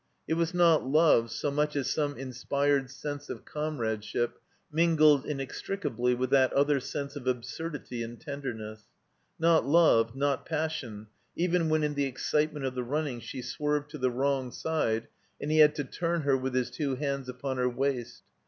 It was not love so much as some inspired sense of 30 I THE COMBINED MAZE comradeship mingled inextricably with that other sense of absurdity and tenderness. Not love, not passion, even when in the excitement of the running she swerved to the wrong side and he had to turn her with his two hands upon her waist.